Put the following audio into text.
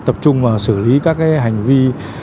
tập trung vào xử lý các hành vi